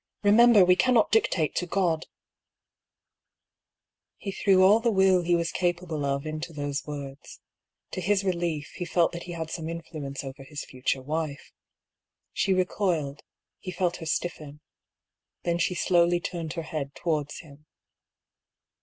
" Eemember, we cannot dictate to God !" He threw all the will he was capable of into those words. To his relief, he felt that he had some infiuence over his future wife. She recoiled, he felt her stiffen ; then she slowly turned her head towards him.